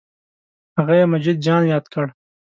هغه یې مجید جان یاد کړ.